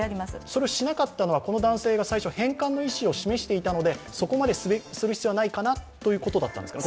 それをしなかったのは、この男性が最初、返還の意思を示していたのでそこまでする必要はないかなということだったんですか？